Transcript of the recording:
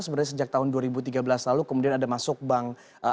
sebenarnya sejak tahun dua ribu tiga belas lalu kemudian ada masuk bank